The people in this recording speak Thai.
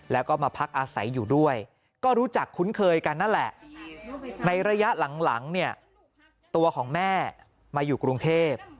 แล้วก็มาพักอาศัยอยู่ด้วยก็รู้จักคุ้นเคยกันนั่นแหละในระยะหลังเนี่ยตัวของแม่มาอยู่กรุงเทพ